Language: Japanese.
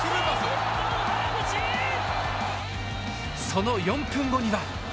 その４分後には。